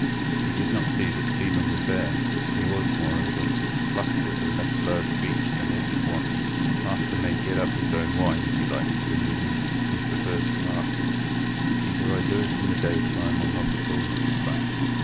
He did not see that Stephen was there: he was, moreover, flustered and less slow of speech than was his wont. ŌĆ£Master may get up his own wine, if he likes, of an evening, ŌĆØ was his first remark. ŌĆ£Either I do it in the daytime or not at all, Mrs Bunch.